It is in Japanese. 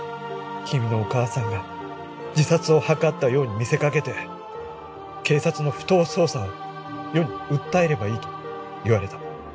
君のお母さんが自殺を図ったように見せかけて警察の不当捜査を世に訴えればいいと言われた。